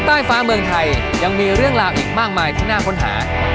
ใต้ฟ้าเมืองไทยยังมีเรื่องราวอีกมากมายที่น่าค้นหา